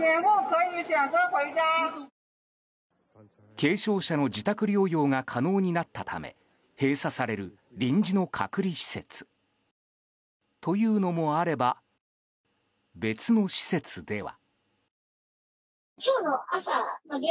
軽症者の自宅療養が可能になったため閉鎖される臨時の隔離施設。というのもあれば別の施設では。